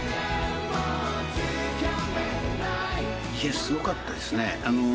すごかったですね。